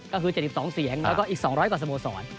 ก็คือ๗๒เสียงแล้วก็อีก๒๐๐กว่าสโมสร